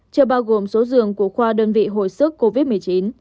chứa bao gồm số dường của khoa đơn vị hồi sức covid một mươi chín